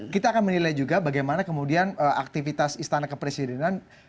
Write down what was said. kita akan menilai juga bagaimana kemudian aktivitas istana kepresidenan